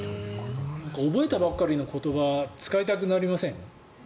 覚えたばかりの言葉使いたくなりません？